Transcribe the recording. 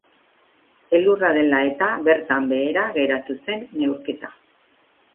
Elurra dela eta bertan behera geratu zen neurketa.